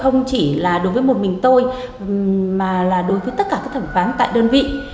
không chỉ là đối với một mình tôi mà là đối với tất cả các thẩm phán tại đơn vị